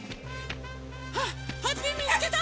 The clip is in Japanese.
ハッピーみつけた！